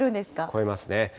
超えますね。